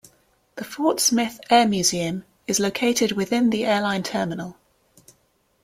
The Fort Smith Air Museum is located within the airline terminal.